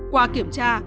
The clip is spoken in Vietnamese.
qua kiểm tra